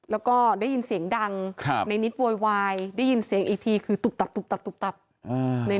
แล้วก็ได้ยินเสียงดังในนิตวท์วายได้ยินเสียงอีกทีคือตุ๊บตับอะไร